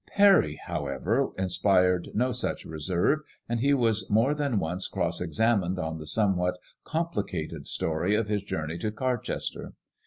Parry, however, inspired no such reserve, and he was more than once cross examined on the somewhat complicated story of his journey to Carchester.